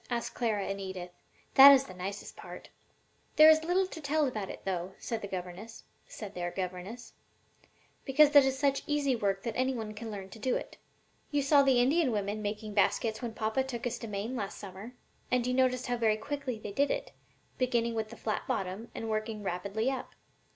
asked Clara and Edith. "That is the nicest part." "There is little to tell about it, though," said their governess, "because it is such easy work that any one can learn to do it. You saw the Indian women making baskets when papa took us to Maine last summer, and you noticed how very quickly they did it, beginning with the flat bottom and working rapidly up.